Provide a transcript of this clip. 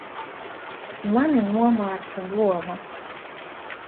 Mani nomāca doma.